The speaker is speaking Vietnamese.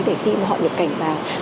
để khi họ nhập cảnh vào